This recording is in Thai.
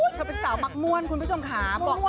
เธอเป็นสาวมักม่วนคุณผู้ชมค่ะ